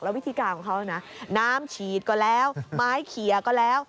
วิธีการของเขานะน้ำฉีดก็แล้วไม้เขียก็แล้ว